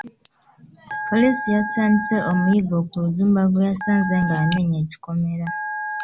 Poliisi yatandise omuyiggo ku Rujjumba gwe yasanze nga amenya ekikomera.